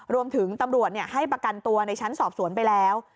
รวมถึงตำรวจให้ประกันตัวในชั้นสอบสวนไปแล้ว